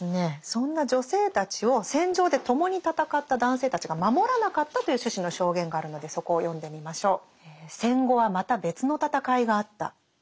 そんな女性たちを戦場で共に戦った男性たちが守らなかったという趣旨の証言があるのでそこを読んでみましょう。